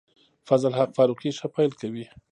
فضل الحق فاروقي ښه پیل کوي.